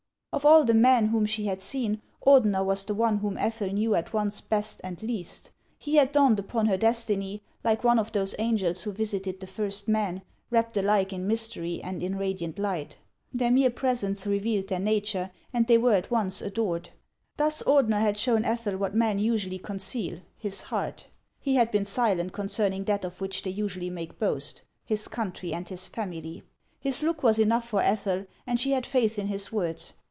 Of all the men whom she had seen, Ordener was the one whom Ethel knew at once best and least. He had dawned upon her destiny, like one of those angels who visited the first men, wrapped alike in mystery and in radiant light. Their mere presence revealed their na ture, and they were at once adored. Thus Ordener had shown Ethel what men usually conceal, his heart ; he had been silent concerning that of which they usually make boast, his country and his family. His look was enough for Ethel, and she had faith in his words.